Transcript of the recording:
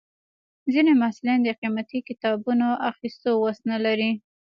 ځینې محصلین د قیمتي کتابونو اخیستو وس نه لري.